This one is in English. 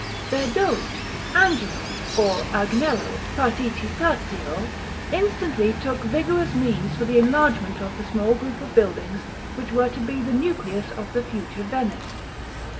Their Doge, Angelo or Agnello Participazio, instantly took vigorous means for the enlargement of the small group of buildings which were to be the nucleus of the future Venice.